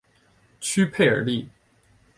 屈佩尔利。